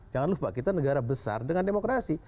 jangan lupa kita negara besar dengan demokrasi